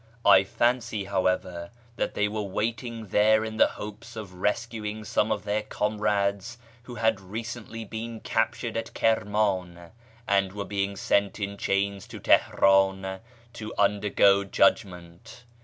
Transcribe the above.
I fancy, however, that they were waiting there in the hopes of rescuing some of their comrades who had recently been captured at Kirman and were being sent in chains to Teheran to undergo judgment.